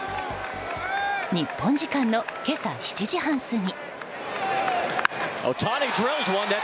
日本時間の今朝７時半過ぎ。